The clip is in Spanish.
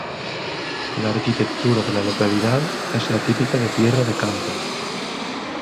La arquitectura de la localidad es la típica de Tierra de Campos.